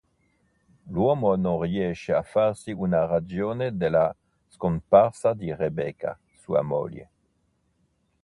L'uomo non riesce a farsi una ragione della scomparsa di Rebecca, sua moglie.